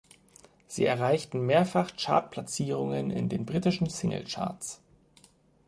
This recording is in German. Sie erreichten mehrfach Chartplatzierungen in den britischen Singlecharts.